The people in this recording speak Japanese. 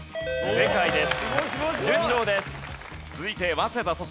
正解です。